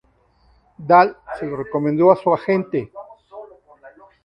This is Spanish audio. Dahl se lo recomendó a su agente.